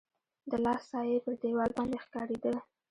د لاس سایه يې پر دیوال باندي ښکارېده.